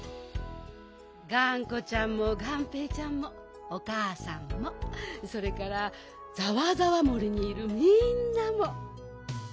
がんこちゃんもがんぺーちゃんもおかあさんもそれからざわざわ森にいるみんなも。